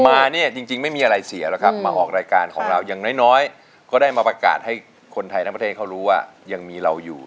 มาเนี่ยจริงไม่มีอะไรเสียหรอกครับมาออกรายการของเราอย่างน้อยก็ได้มาประกาศให้คนไทยทั้งประเทศเขารู้ว่ายังมีเราอยู่